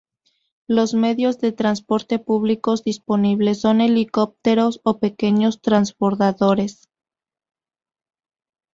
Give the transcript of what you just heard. Los medios de transporte públicos disponibles son helicópteros o pequeños transbordadores.